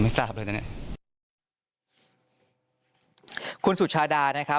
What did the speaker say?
หลังจากพบศพผู้หญิงปริศนาตายตรงนี้ครับ